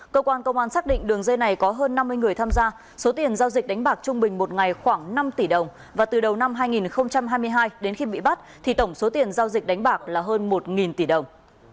cơ quan công an xác định đường dây này có hơn năm mươi người tham gia số tiền giao dịch đánh bạc trung bình một ngày khoảng năm tỷ đồng và từ đầu năm hai nghìn hai mươi hai đến khi bị bắt thì tổng số tiền giao dịch đánh bạc là hơn một tỷ đồng